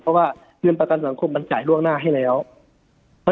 เพราะว่าเงินประกันสังคมมันจ่ายล่วงหน้าให้แล้ว